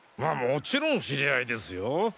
もちろん知り合いですよ。